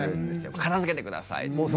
片づけてくださいって。